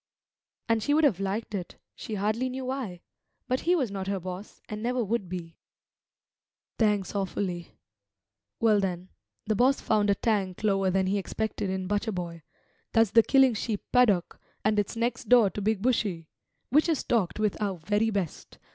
And she would have liked it, she hardly knew why. But he was not her boss, and never would be. "Thanks awfully. Well, then, the boss found a tank lower than he expected in Butcher boy, that's the killing sheep paddock, and it's next door to Big Bushy, which is stocked with our very best.